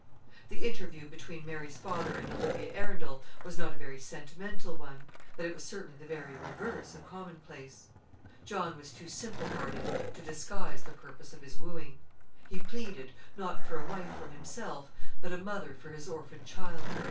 The interview between Mary's father and Olivia Arundel was not a very sentimental one; but it was certainly the very reverse of commonplace. John was too simple hearted to disguise the purpose of his wooing. He pleaded, not for a wife for himself, but a mother for his orphan child.